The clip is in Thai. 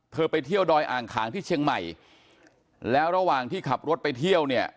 ไปเที่ยวดอยอ่างขางที่เชียงใหม่แล้วระหว่างที่ขับรถไปเที่ยวเนี่ย